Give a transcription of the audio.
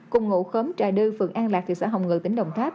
cùng ngụ khớm trà đư phường an lạc thị xã hồng ngự tỉnh đồng tháp